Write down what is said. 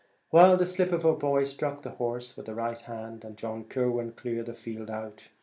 Well, the slip of a boy struck the horse with his right hand, and John Kirwan cleared the field out.